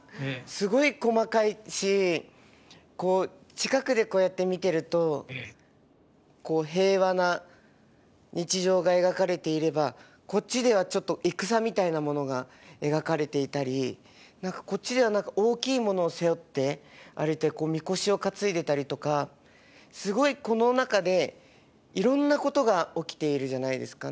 すごい細かいしこう近くでこうやって見てるとこう平和な日常が描かれていればこっちではちょっと戦みたいなものが描かれていたりこっちでは何か大きいものを背負って歩いてみこしを担いでたりとかすごいこの中でいろんなことが起きているじゃないですか。